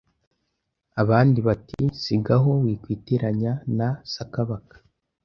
Abandi bati sigaho wikwiteranya na Sakabaka